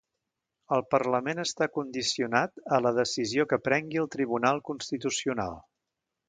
El parlament està condicionat a la decisió que prengui el Tribunal Constitucional